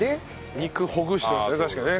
肉ほぐしてましたね確かね。